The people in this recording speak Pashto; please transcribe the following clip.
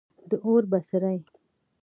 د اور بڅری